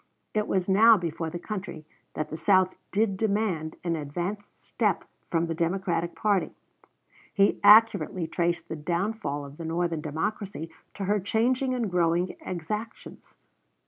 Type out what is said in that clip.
It was now before the country that the South did demand an advanced step from the Democratic party. He accurately traced the downfall of the Northern Democracy to her changing and growing exactions.